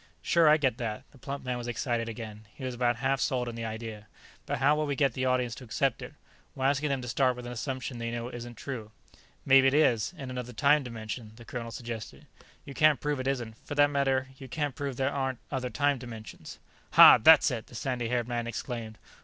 "Sure. I get that." The plump man was excited again; he was about half sold on the idea. "But how will we get the audience to accept it? We're asking them to start with an assumption they know isn't true." "Maybe it is, in another time dimension," the colonel suggested. "You can't prove it isn't. For that matter, you can't prove there aren't other time dimensions." "Hah, that's it!" the sandy haired man exclaimed.